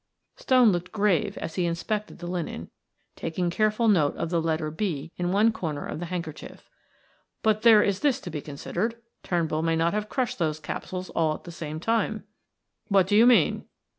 Stone looked grave as he inspected the linen, taking careful note of the letter "B" in one corner of the handkerchief. "But there is this to be considered Turnbull may not have crushed those capsules all at the same time." "What do you mean?"